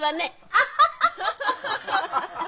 アハハハ。